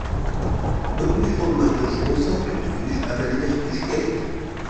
بىر ئۈلۈش ئورۇنلاشتۇرۇش بولسا، توققۇز ئۈلۈش ئەمەلىيلەشتۈرۈش كېرەك.